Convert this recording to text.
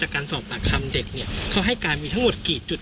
การสอบปากคำเด็กเนี่ยเขาให้การมีทั้งหมดกี่จุด